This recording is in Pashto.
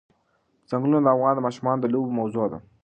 ځنګلونه د افغان ماشومانو د لوبو موضوع ده.